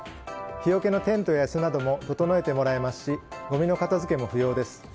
日よけのテントや椅子なども整えてもらえますしごみの片付けも不要です。